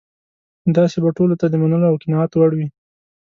داسې به ټولو ته د منلو او قناعت وړ وي.